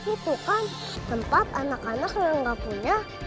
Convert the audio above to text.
itu kan tempat anak anak yang gak punya